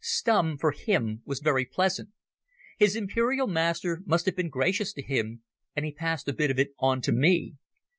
Stumm, for him, was very pleasant. His imperial master must have been gracious to him, and he passed a bit of it on to me.